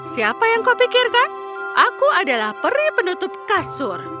siapa yang kau pikirkan aku adalah peri penutup kasur